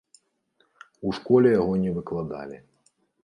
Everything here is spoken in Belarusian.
У школе яго не выкладалі.